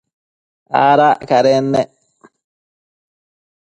Adac cadennec